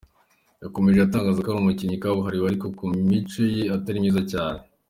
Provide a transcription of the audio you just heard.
Yakomeje atangaza ko ari umukinnyi kabuhariwe ariko ko imico ye atari myiza cyane.